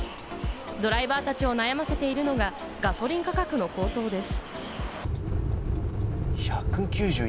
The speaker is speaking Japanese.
ドライバーたちを悩ませているのが、ガソリン価格の高騰です。